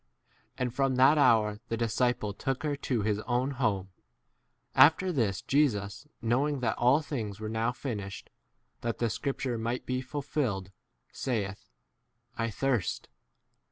And from that hour the disciple 28 took her to his own [home]. After this, Jesus, knowing that all things were now finished, that the scripture might be fulfilled, saith, 29 1 thirst.